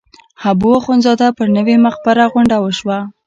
د حبواخندزاده پر نوې مقبره غونډه وشوه.